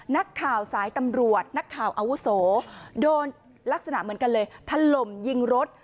นักข่าวสายตำรวจนักข่าวอาวุโสโดนลักษณะเหมือนกันเลยถล่มยิงรถ